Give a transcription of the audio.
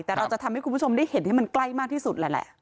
แต่เราจะทำให้คุณผู้ชมได้เห็นให้มันใกล้มากที่สุดแหละ